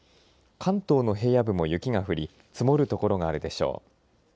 関東の平野部も雪が降り積もるところがあるでしょう。